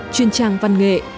truyền trang văn nghệ